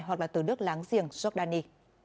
hoặc là từ nước láng giềng jordani